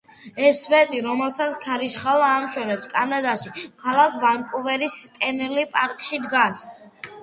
ეს სვეტი, რომელსაც ქარიშხალა ამშვენებს, კანადაში, ქალაქ ვანკუვერის სტენლი პარკში დგას.